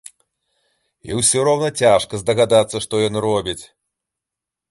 І ўсё роўна цяжка здагадацца, што ён робіць.